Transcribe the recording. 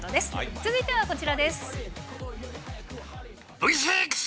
続いてはこちらです。